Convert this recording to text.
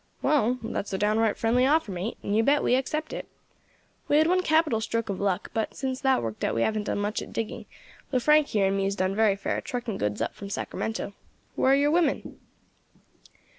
"Well, that's a downright friendly offer, mate, and you bet we accept it. We had one capital stroke of luck, but since that worked out we haven't done much at digging, though Frank here and me has done very fair, trucking goods up from Sacramento. Where are your women?"